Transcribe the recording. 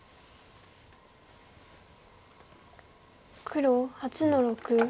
黒８の六。